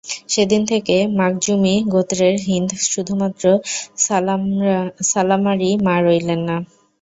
সেদিন থেকে মাখযূমী গোত্রের হিন্দ শুধুমাত্র সালামারই মা রইলেন না।